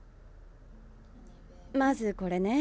まずこれね。